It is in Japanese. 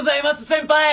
先輩。